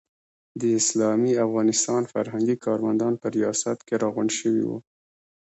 د اسلامي افغانستان فرهنګي کارمندان په ریاست کې راغونډ شوي وو.